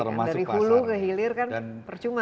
dari hulu ke hilir kan percuma